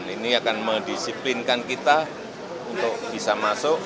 ini akan mendisiplinkan kita untuk bisa masuk